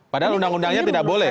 padahal undang undangnya tidak boleh